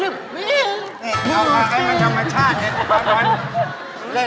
น้องเข้าไปให้มันชอบมันชาติเนี่ย